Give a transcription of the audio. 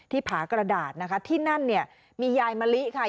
ผากระดาษนะคะที่นั่นเนี่ยมียายมะลิค่ะ